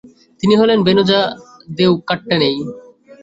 তিনি হলেন ভ্যানোজা দেউ কাট্টানেই।